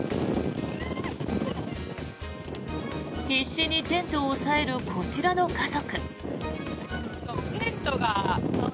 必死にテントを押さえるこちらの家族。